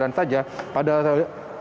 begitu juga sebagai gambaran saja